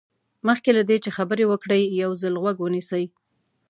مخکې له دې چې خبرې وکړئ یو ځل غوږ ونیسئ.